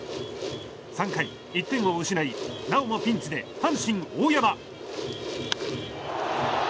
３回、１点を失いなおもピンチで阪神、大山。